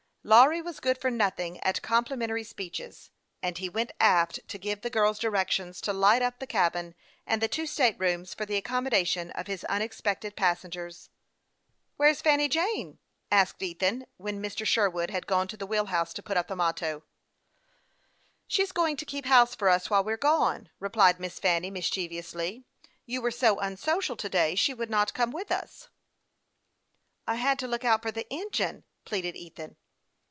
Lawry was good for nothing at complimentary speeches, and he went aft to give the girls directions to. light up the cabin and the two state rooms for the accommodation of his unexpected passengers. " Where's Fanny Jane ?" asked Ethan, when Mr. Sherwood had gone to the wheel house to put up the motto. " She is going to keep house for us while we are gone," replied Miss Fanny, mischievously. " You were so unsocial to day she would not come with us." " I had to look out for the engine," pleaded Ethan.